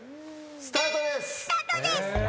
スタートです！